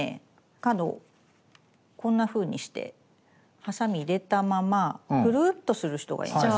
角をこんなふうにしてハサミ入れたままぐるーっとする人がいます。